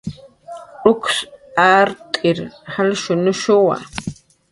Uksw art'ir jalshunushsa